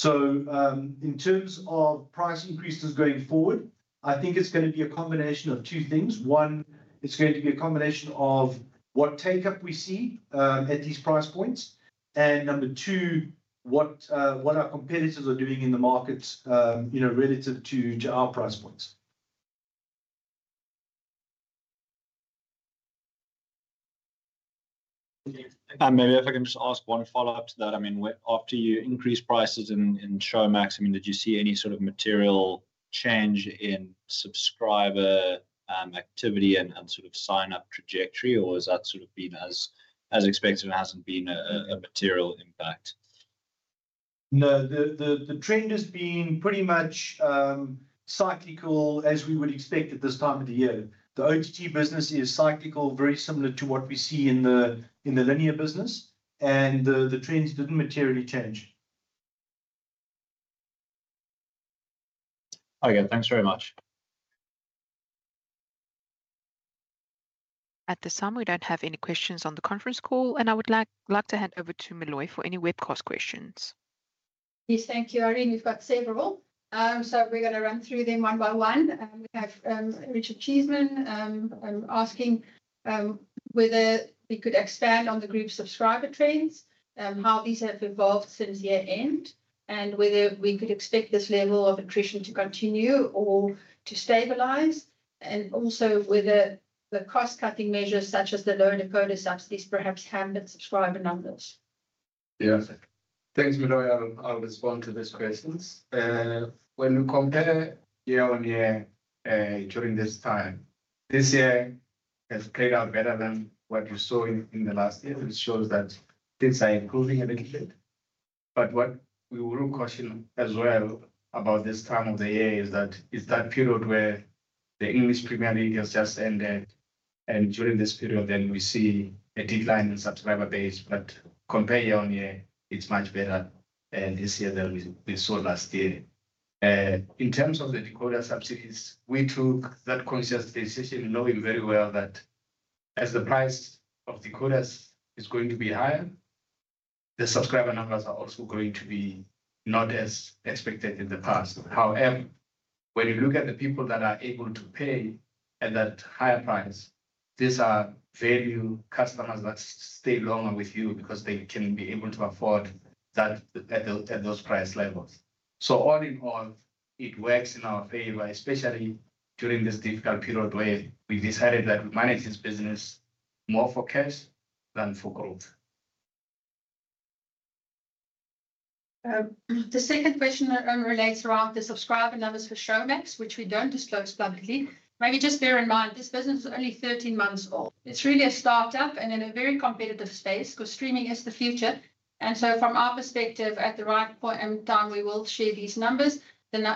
S2: In terms of price increases going forward, I think it is going to be a combination of two things. One, it is going to be a combination of what take-up we see at these price points. Number two, what our competitors are doing in the market relative to our price points.
S4: Maybe if I can just ask one follow-up to that. I mean, after you increased prices in Showmax, I mean, did you see any sort of material change in subscriber activity and sort of sign-up trajectory, or has that sort of been as expected and hasn't been a material impact?
S2: No, the trend has been pretty much cyclical as we would expect at this time of the year. The OTT business is cyclical, very similar to what we see in the linear business, and the trends didn't materially change.
S4: Okay, thanks very much.
S3: At this time, we don't have any questions on the conference call, and I would like to hand over to Meloy for any webcast questions.
S5: Yes, thank you, Aaron. We've got several. So we're going to run through them one by one. We have Richard Cheesman asking whether we could expand on the group subscriber trends, how these have evolved since year-end, and whether we could expect this level of attrition to continue or to stabilize, and also whether the cost-cutting measures such as the lower decoder subsidies perhaps hampered subscriber numbers.
S1: Yeah, thanks, Meloy. I'll respond to this question. When we compare year-on-year during this time, this year has played out better than what you saw in the last year, which shows that things are improving a little bit. What we were questioning as well about this time of the year is that it's that period where the English Premier League has just ended, and during this period, we see a decline in subscriber base. Compared year-on-year, it's much better this year than we saw last year. In terms of the quota subject is, we took that conscious decision knowing very well that as the price of the quota is going to be higher, the subscriber numbers are also going to be not as expected in the past. However, when you look at the people that are able to pay at that higher price, these are value customers that stay longer with you because they can be able to afford that at those price levels. All in all, it works in our favor, especially during this difficult period where we decided that we manage this business more for cash than for growth.
S5: The second question relates around the subscriber numbers for Showmax, which we do not disclose publicly. Maybe just bear in mind this business is only 13 months old. It is really a startup and in a very competitive space because streaming is the future. From our perspective, at the right point in time, we will share these numbers.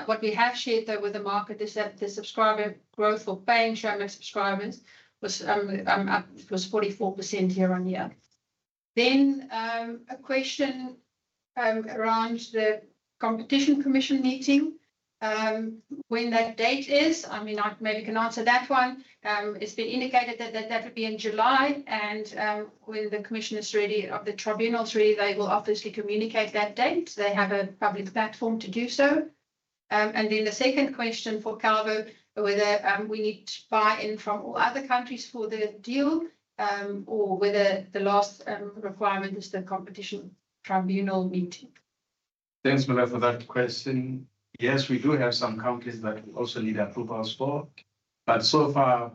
S5: What we have shared, though, with the market is that the subscriber growth for paying Showmax subscribers was up to 44% year-on-year. A question around the Competition Commission meeting, when that date is, I mean, I maybe can answer that one. It has been indicated that that would be in July, and when the Commission is ready, or the Tribunal is ready, they will obviously communicate that date. They have a public platform to do so. The second question for Calvo, whether we need buy-in from all other countries for the deal or whether the last requirement is the Competition Tribunal meeting.
S1: Thanks, Meloy, for that question. Yes, we do have some countries that we also need approvals for. So far,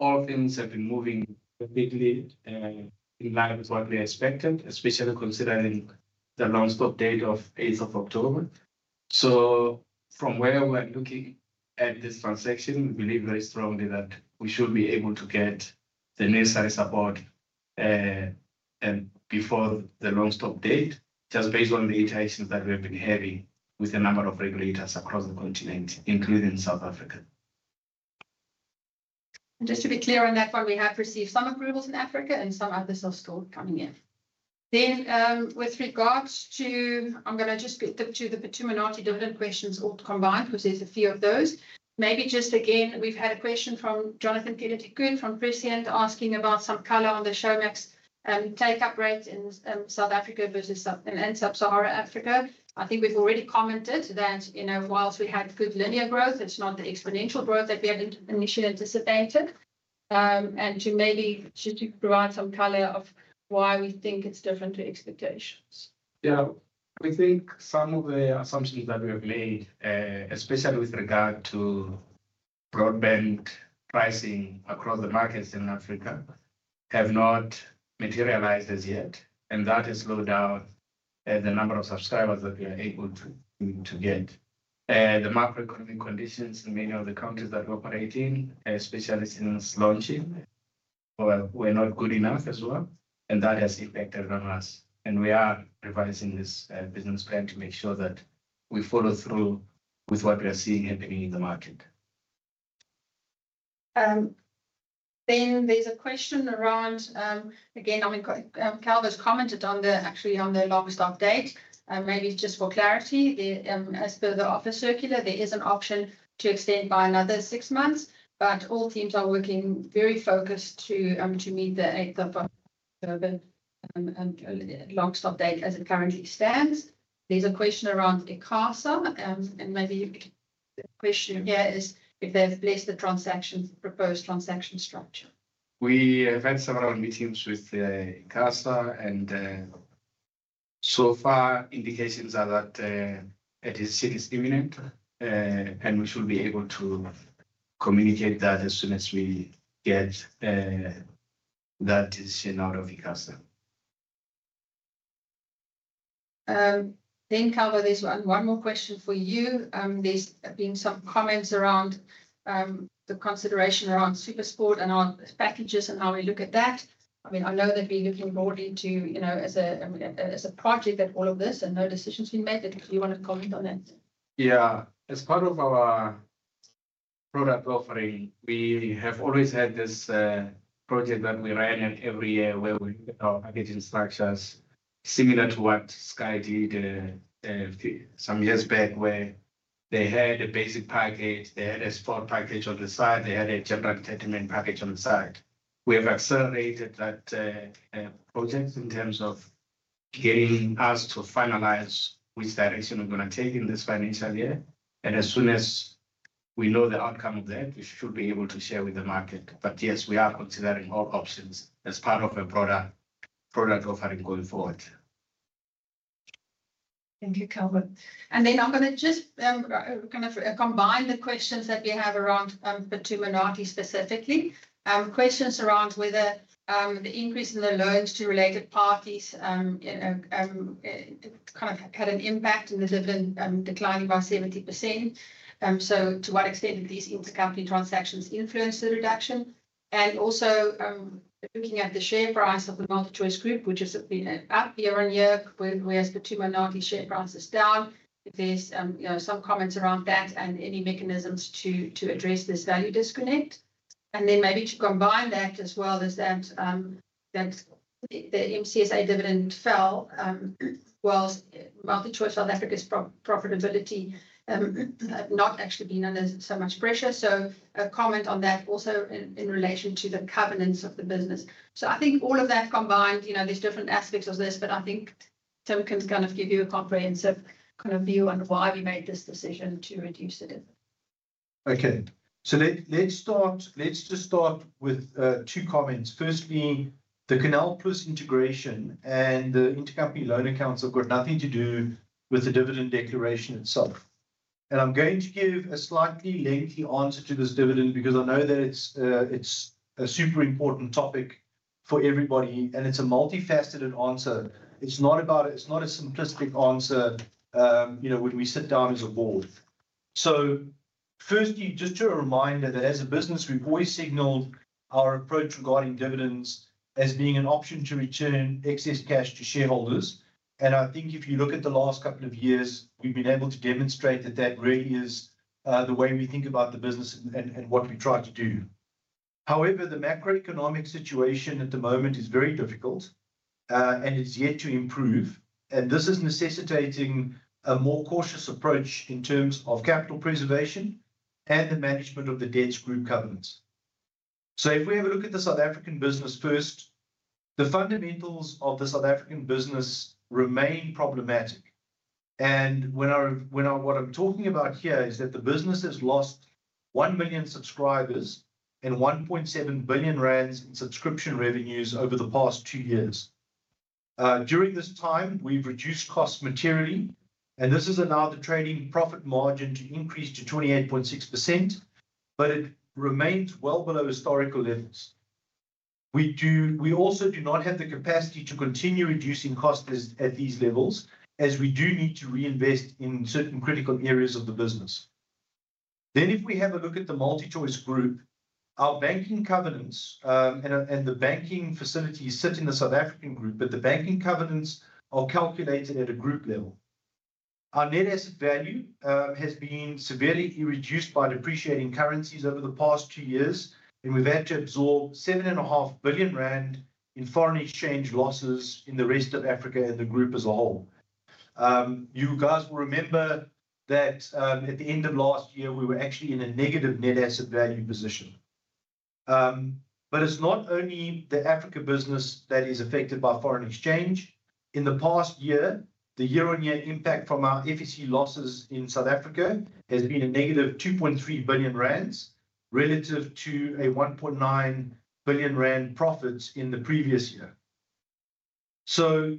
S1: all things have been moving perfectly in line with what we expected, especially considering the non-stop date of 8th of October. From where we're looking at this transaction, we believe very strongly that we should be able to get the next size aboard before the non-stop date, just based on the iterations that we've been having with the number of regulators across the continent, including South Africa.
S5: Just to be clear on that one, we have received some approvals in Africa, and some others are still coming in. With regards to, I'm going to just get to the bituminated dividend questions all combined because there's a few of those. Maybe just again, we've had a question from Jonathan Benedict from Peregrine asking about some color on the Showmax take-up rate in South Africa versus Sub-Saharan Africa. I think we've already commented that whilst we had good linear growth, it's not the exponential growth that we had initially anticipated. To maybe just provide some color of why we think it's different to expectations.
S1: Yeah, we think some of the assumptions that we have made, especially with regard to broadband pricing across the markets in Africa, have not materialized as yet. That has slowed down the number of subscribers that we are able to get. The macroeconomic conditions in many of the countries that we operate in, especially since launching, were not good enough as well. That has impacted on us. We are revising this business plan to make sure that we follow through with what we are seeing happening in the market.
S5: There is a question around, again, Calvo's commented on the actually on the long-stop date. Maybe just for clarity, as per the offer circular, there is an option to extend by another six months. All teams are working very focused to meet the 8th of October and long-stop date as it currently stands. There is a question around ICASA. Maybe the question here is if they have blessed the proposed transaction structure.
S1: We have had several meetings with ICASA, and so far, indications are that a decision is imminent, and we should be able to communicate that as soon as we get that decision out of ICASA.
S5: Calvo, there is one more question for you. There have been some comments around the consideration around SuperSport and our packages and how we look at that. I mean, I know that we are looking broadly as a project at all of this, and no decisions have been made. Do you want to comment on that?
S1: Yeah, as part of our product offering, we have always had this project that we ran every year where we looked at our packaging structures similar to what Sky did some years back, where they had a basic package, they had a sport package on the side, they had a general entertainment package on the side. We have accelerated that project in terms of getting us to finalize which direction we're going to take in this financial year. As soon as we know the outcome of that, we should be able to share with the market. Yes, we are considering all options as part of a product offering going forward.
S5: Thank you, Calvo. I am going to just kind of combine the questions that we have around bituminated specifically. Questions around whether the increase in the loans to related parties kind of had an impact in the dividend declining by 70%. To what extent did these intercompany transactions influence the reduction? Also looking at the share price of the MultiChoice Group, which has been up year-on-year, whereas the bituminated share price is down. There are some comments around that and any mechanisms to address this value disconnect. Maybe to combine that as well, the MCSA dividend fell whilst MultiChoice South Africa's profitability had not actually been under so much pressure. A comment on that also in relation to the covenants of the business. I think all of that combined, there are different aspects of this, but I think Tim can kind of give you a comprehensive kind of view on why we made this decision to reduce the dividend.
S2: Okay, so let's just start with two comments. Firstly, the CANAL+ integration and the intercompany loan accounts have got nothing to do with the dividend declaration itself. I'm going to give a slightly lengthy answer to this dividend because I know that it's a super important topic for everybody, and it's a multifaceted answer. It's not a simplistic answer when we sit down as a board. Firstly, just a reminder that as a business, we've always signaled our approach regarding dividends as being an option to return excess cash to shareholders. I think if you look at the last couple of years, we've been able to demonstrate that that really is the way we think about the business and what we try to do. However, the macroeconomic situation at the moment is very difficult, and it's yet to improve. This is necessitating a more cautious approach in terms of capital preservation and the management of the group's debt covenants. If we have a look at the South African business first, the fundamentals of the South African business remain problematic. What I am talking about here is that the business has lost 1 million subscribers and 1.7 billion rand in subscription revenues over the past two years. During this time, we have reduced costs materially, and this has allowed the trading profit margin to increase to 28.6%, but it remains well below historical levels. We also do not have the capacity to continue reducing costs at these levels as we do need to reinvest in certain critical areas of the business. If we have a look at the MultiChoice Group, our banking covenants and the banking facilities sit in the South African group, but the banking covenants are calculated at a group level. Our net asset value has been severely reduced by depreciating currencies over the past two years, and we've had to absorb 7.5 billion rand in foreign exchange losses in the rest of Africa and the group as a whole. You guys will remember that at the end of last year, we were actually in a negative net asset value position. It is not only the Africa business that is affected by foreign exchange. In the past year, the year-on-year impact from our FEC losses in South Africa has been a negative 2.3 billion rand relative to a 1.9 billion rand profit in the previous year.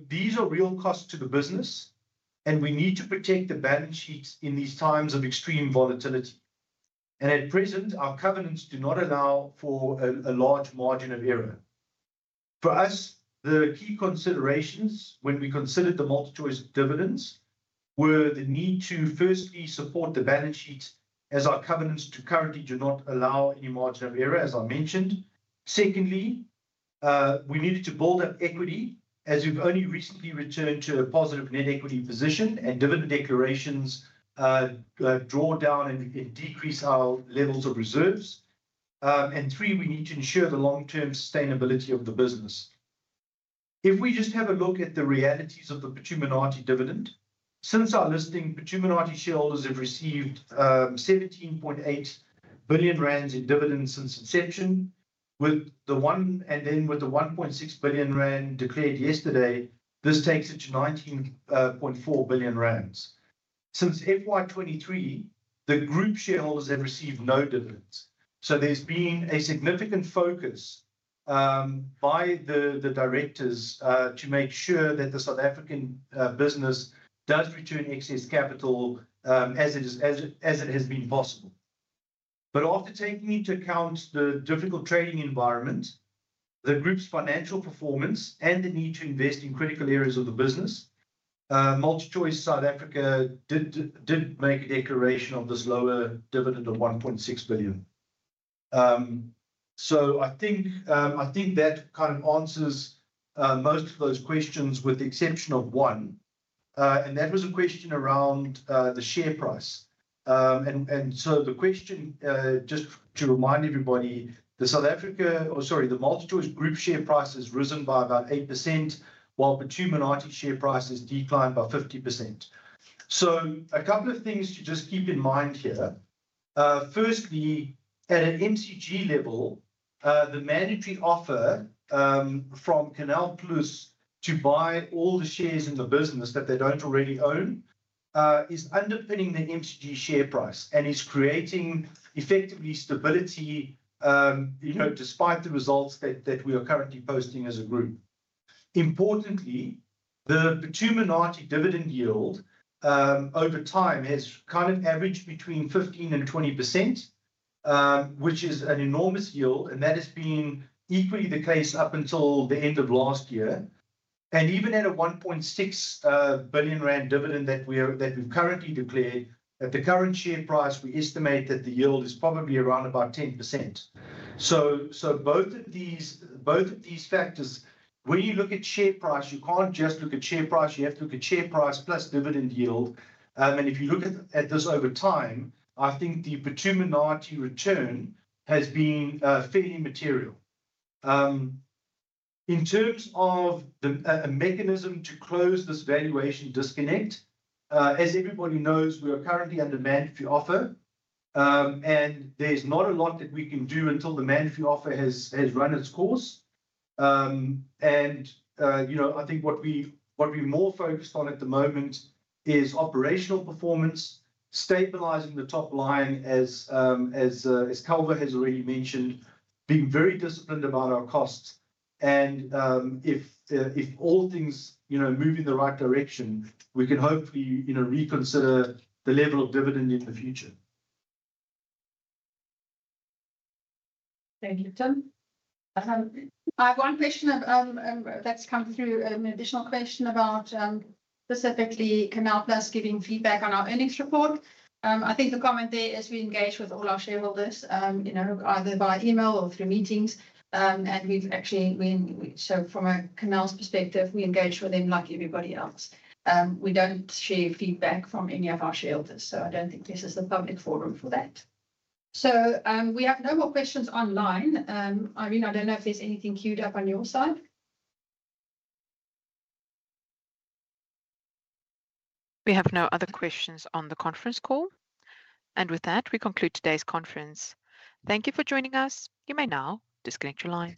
S2: These are real costs to the business, and we need to protect the balance sheets in these times of extreme volatility. At present, our covenants do not allow for a large margin of error. For us, the key considerations when we considered the MultiChoice dividends were the need to firstly support the balance sheet as our covenants currently do not allow any margin of error, as I mentioned. Secondly, we needed to build up equity as we have only recently returned to a positive net equity position and dividend declarations draw down and decrease our levels of reserves. Three, we need to ensure the long-term sustainability of the business. If we just have a look at the realities of the Phuthuma Nathi dividend, since our listing, Phuthuma Nathi shareholders have received 17.8 billion rand in dividends since inception, with the one and then with the 1.6 billion rand declared yesterday, this takes it to 19.4 billion rand. Since FY2023, the group shareholders have received no dividends. There has been a significant focus by the directors to make sure that the South African business does return excess capital as it has been possible. After taking into account the difficult trading environment, the group's financial performance, and the need to invest in critical areas of the business, MultiChoice South Africa did make a declaration of this lower dividend of 1.6 billion. I think that kind of answers most of those questions with the exception of one. That was a question around the share price. The question, just to remind everybody, the MultiChoice Group share price has risen by about 8%, while Phuthuma Nathi share price has declined by 50%. A couple of things to just keep in mind here. Firstly, at an MCG level, the mandatory offer from CANAL+ to buy all the shares in the business that they do not already own is underpinning the MCG share price and is creating effectively stability despite the results that we are currently posting as a group. Importantly, the Phuthuma Nathi dividend yield over time has kind of averaged between 15%-20%, which is an enormous yield. That has been equally the case up until the end of last year. Even at a 1.6 billion rand dividend that we have currently declared, at the current share price, we estimate that the yield is probably around about 10%. Both of these factors, when you look at share price, you can't just look at share price. You have to look at share price plus dividend yield. If you look at this over time, I think the bituminated return has been fairly material. In terms of a mechanism to close this valuation disconnect, as everybody knows, we are currently under mandatory offer. There is not a lot that we can do until the mandatory offer has run its course. I think what we are more focused on at the moment is operational performance, stabilizing the top line as Calvo has already mentioned, being very disciplined about our costs. If all things move in the right direction, we can hopefully reconsider the level of dividend in the future.
S5: Thank you, Tim. I have one question that's come through, an additional question about specifically CANAL+ giving feedback on our earnings report. I think the comment there is we engage with all our shareholders either by email or through meetings. Actually, from CANAL+'s perspective, we engage with them like everybody else. We don't share feedback from any of our shareholders. I don't think this is the public forum for that. We have no more questions online. Irene, I don't know if there's anything queued up on your side.
S3: We have no other questions on the conference call. With that, we conclude today's conference. Thank you for joining us. You may now disconnect your lines.